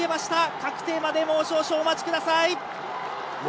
確定までもう少々お待ちください。